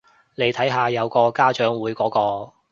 你睇下有個家長會嗰個